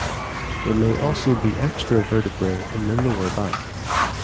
There may also be extra vertebrae in the lower back.